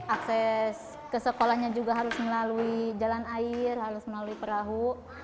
akses ke sekolahnya juga harus melalui jalan air harus melalui perahu